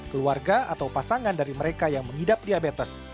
keluarga atau pasangan dari mereka yang mengidap diabetes